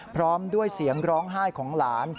พร้อมด้วยเสียงร้องไห้ของหลาน